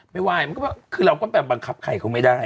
ไม่ไหว้คือเราก็แบบบังคับใครไม่ได้